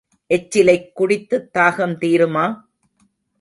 எச்சிலைக் குடித்துத் தாகம் தீருமா?